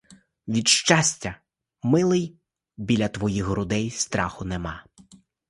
Від щастя, милий, біля твоїх грудей — страху нема!